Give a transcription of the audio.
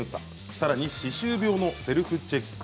さらに歯周病のセルフチェック。